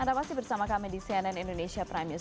anda pasti bersama kami di sianen indonesia prime news